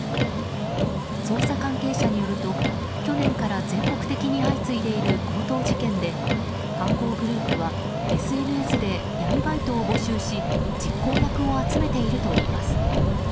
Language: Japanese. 捜査関係者によると去年から全国的に相次いでいる強盗事件で犯行グループはＳＮＳで闇バイトを募集し実行役を集めているといいます。